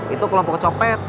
itu kelompok copet